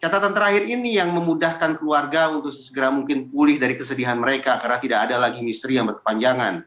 catatan terakhir ini yang memudahkan keluarga untuk sesegera mungkin pulih dari kesedihan mereka karena tidak ada lagi misteri yang berkepanjangan